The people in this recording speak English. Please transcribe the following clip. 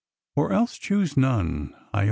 Or else choose none,— heigh o